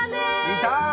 いた！